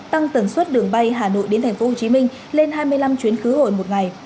tăng tầng suất đường bay hà nội đến tp hcm lên hai mươi năm chuyến khứ hội một ngày